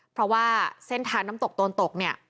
เพราะว่าเส้นทางน้ำตกโตนตกเนี่ย